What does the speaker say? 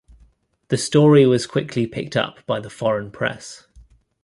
The story was quickly picked up by the foreign press.